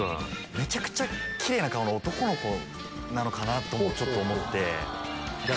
めちゃくちゃキレイな顔の男の子なのかとちょっと思って。